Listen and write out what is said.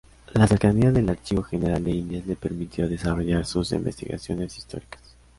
La cercanía del Archivo General de Indias le permitió desarrollar sus investigaciones históricas.